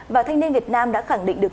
và thanh niên việt nam đã khẳng định được